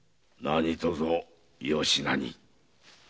何とぞよしなに。